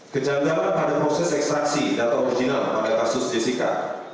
kejadilan pada proses ekstraksi data original pada kasus jessica